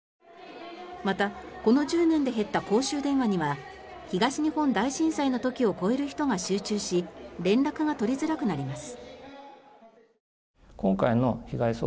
また、この１０年で減った公衆電話には東日本大震災の時を超える人が集中し連絡が取りづらくなります。